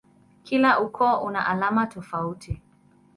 Kila ukoo una alama tofauti.